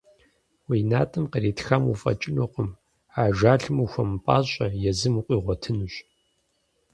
Уи натӀэм къритхам уфӀэкӀынукъым, ажалым ухуэмыпӀащӀэ, езым укъигъуэтынущ.